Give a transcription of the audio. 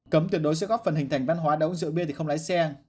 cấm tuyệt đối sẽ góp phần hình thành văn hóa đấu rượu bia thì không lái xe